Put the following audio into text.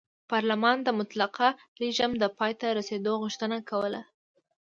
پارلمان د مطلقه رژیم د پای ته رسېدو غوښتنه کوله.